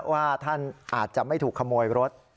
ว่าท่านอาจจะไม่ถูกขโมยรถ